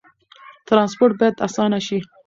ترانسپورت باید اسانه شي.